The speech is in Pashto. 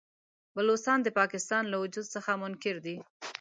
بلوڅان د پاکستان له وجود څخه منکر دي.